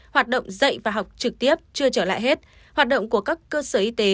hoạt động dạy và học trực tiếp chưa trở lại hết hoạt động của các cơ sở y tế